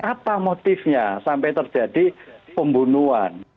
apa motifnya sampai terjadi pembunuhan